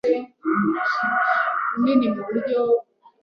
Yahagaze aho yitonze nkuko ababyumva bakunda